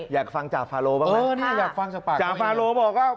อยากฟังจากฟาโลบ้างไหมจากฟาโลบอกว่า